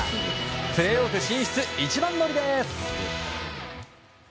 プレーオフ進出、一番乗りです。